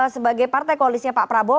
sebagai partai koalisnya pak prabowo